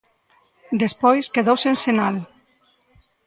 Despois, quedou sen sinal.